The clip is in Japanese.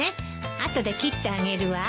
後で切ってあげるわ。